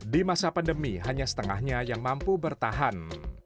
di masa pandemi hanya setengahnya yang mampu bertahan